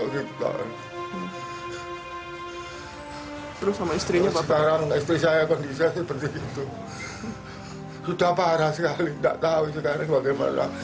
untuk mencarikan pekerjaan bagi sang atlet